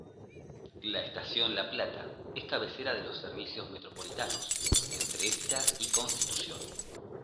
La estación La Plata es cabecera de los servicios metropolitanos, entre esta y Constitución.